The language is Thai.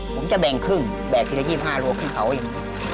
ผมจะแบ่งครึ่งแบกทีละ๒๕โลขึ้นเขาอีก